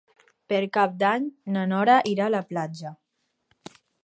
Per Cap d'Any na Nora irà a la platja.